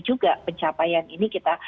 juga pencapaian ini kita